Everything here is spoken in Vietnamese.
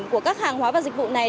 của các hàng hóa và dịch vụ này